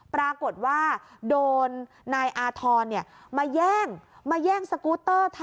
ปรากฏว่าโดนนายอาธรณ์มาแย่งมาแย่งสกูเตอร์